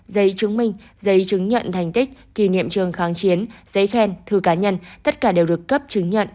giấy chứng minh giấy chứng nhận thành tích kỷ niệm trường kháng chiến giấy khen thư cá nhân tất cả đều được cấp chứng nhận